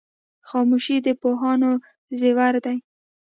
خاموشي د پوهانو زیور دی.